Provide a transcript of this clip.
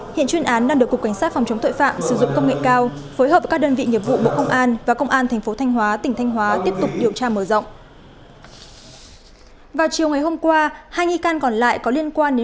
hiện chuyên án đang được cục cảnh sát phòng chống tội phạm sử dụng công nghệ cao phối hợp với các đơn vị nghiệp vụ bộ công an và công an thành phố thanh hóa tỉnh thanh hóa tiếp tục điều tra mở rộng